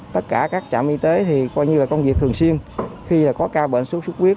tất cả các trạm y tế thì coi như là công việc thường xuyên khi có ca bệnh sốt xuất huyết